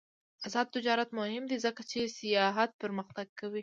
آزاد تجارت مهم دی ځکه چې سیاحت پرمختګ کوي.